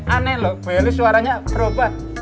aneh loh beli suaranya berubah